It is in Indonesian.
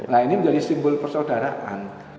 nah ini menjadi simbol persaudaraan